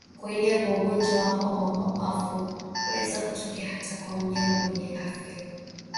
Kuenea kwa ugonjwa wa homa ya mapafu kunaweza kutokea hata kwa mnyama mwenye afya